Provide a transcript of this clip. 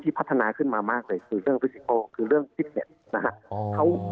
พัฒนาขึ้นมามากเลยคือเรื่องฟิสิโอคือเรื่องฟิตเน็ตนะฮะ